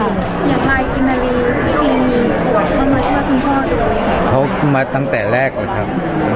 อย่างไรอินดาลีพี่จริงมีส่วนมาตั้งแต่แรกเลยครับตั้งแต่แรกเลยแล้วถามอีกนิดหนึ่ง